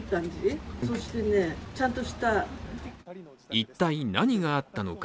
一体何があったのか。